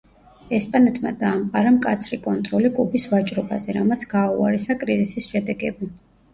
ესპანეთმა დაამყარა მკაცრი კონტროლი კუბის ვაჭრობაზე, რამაც გააუარესა კრიზისის შედეგები.